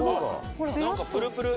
ほら何かプルプル